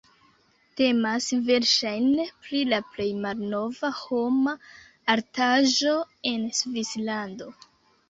Temas verŝajne pri la plej malnova homa artaĵo en Svislando.